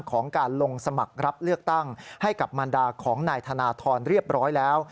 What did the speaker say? ของการลงสมัครรับเลือกตั้งให้กับมันดาของนายธนทรเรียบร้อยแล้ว